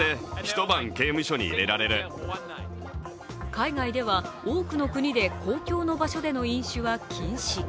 海外では多くの国で、公共の場所での飲酒は禁止。